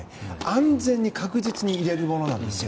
安全に確実に入れるものなんですよ。